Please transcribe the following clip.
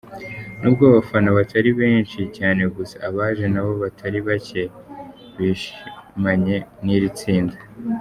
Nubwo abafana batari benshi cyane gusa abaje nabo batari bake bishimanye n'iri tsinda.